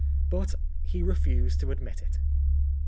But he refused to admit it.